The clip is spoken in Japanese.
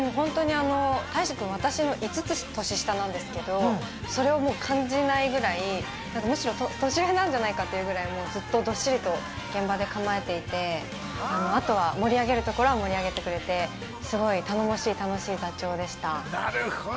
大志君は私の５つ年下なんですけど、それを感じないぐらい、年上なんじゃないかって思うぐらい、どっしりと現場で構えていて、あとは盛り上げるところは盛り上げてくれて頼もしい楽しい座長でした。